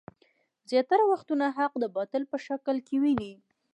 زياتره وختونه حق د باطل په شکل کې ويني.